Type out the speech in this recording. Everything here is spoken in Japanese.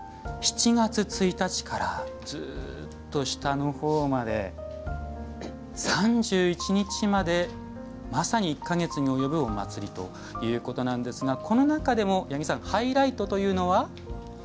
７月１日からずっと下のほうまで３１日まで、まさに１か月に及ぶお祭りということなんですがこの中でもハイライトというのは？